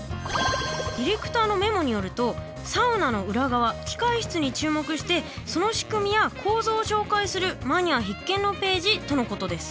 ディレクターのメモによるとサウナの裏側「機械室」に注目してその仕組みや構造を紹介するマニア必見のページとのことです。